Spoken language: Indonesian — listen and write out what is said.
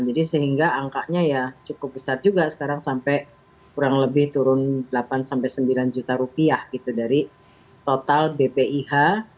jadi sehingga angkanya ya cukup besar juga sekarang sampai kurang lebih turun delapan sembilan juta rupiah gitu dari total bpih